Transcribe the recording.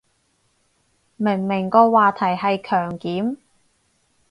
明明個話題係強檢